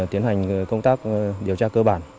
tiến hành công tác điều tra cơ bản